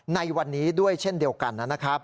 ในวันนี้ด้วยเช่นเดียวกันนะครับ